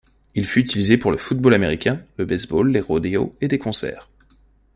Il fut utilisé pour le football américain, le baseball, les rodeos et des concerts.